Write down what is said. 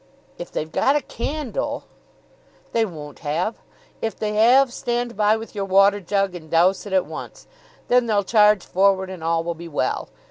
"If they've got a candle " "They won't have. If they have, stand by with your water jug and douse it at once; then they'll charge forward and all will be well.